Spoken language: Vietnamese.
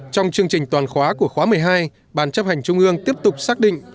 trong chương trình toàn khóa của khóa một mươi hai bàn chấp hành trung ương tiếp tục xác định